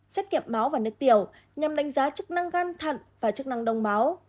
xét nghiệm máu và nước tiểu nhằm đánh giá chức năng gan thận và chức năng đông máu